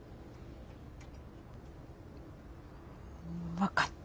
分かった。